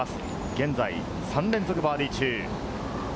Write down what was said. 現在、３連続バーディー中。